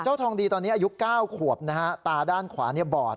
เจ้าทองดีตอนนี้อายุเก้าขวบนะฮะตาด้านขวาเนี่ยบอด